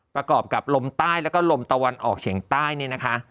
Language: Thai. ประกอบกับลมใต้แล้วก็ลมตะวันออกเฉียงใต้เนี่ยนะคะ